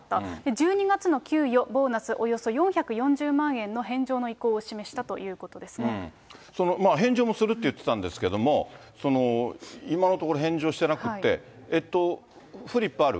１２月の給与、ボーナスおよそ４４０万円の返上の意向を示したと返上もするって言ってたんですけど、今のところ返上していなくって、フリップある？